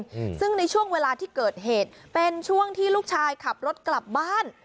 อืมซึ่งในช่วงเวลาที่เกิดเหตุเป็นช่วงที่ลูกชายขับรถกลับบ้าน